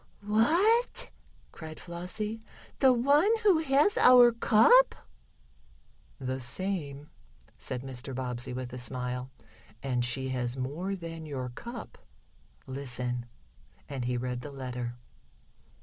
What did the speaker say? "What!" cried Flossie, " the one who has our cup?" "The same," said Mr. Bobbsey with a smile. "And she has more than your cup. Listen," and he read the letter.